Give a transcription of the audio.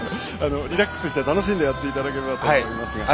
リラックスして楽しんでやっていただければと思います。